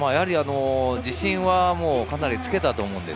自信はかなりつけたと思います。